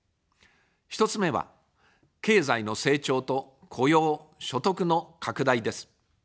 １つ目は、経済の成長と雇用・所得の拡大です。